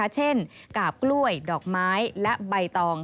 กาบกล้วยดอกไม้และใบตอง